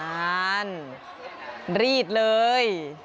จัดการรีดเลย